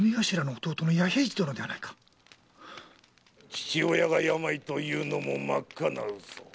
父親が病というのも真っ赤な嘘。